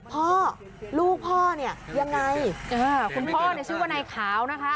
พ่อลูกพ่อเนี่ยยังไงคุณพ่อเนี่ยชื่อว่านายขาวนะคะ